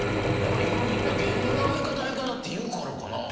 今みんな芸人が「相方相方」って言うからかなぁ。